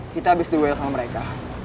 kita habis duel sama mereka